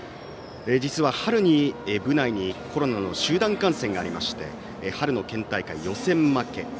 実は、春に部内にコロナの集団感染がありまして春の県大会、予選負け。